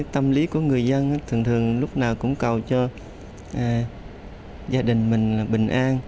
tâm lý của người dân thường thường lúc nào cũng cầu cho gia đình mình bình an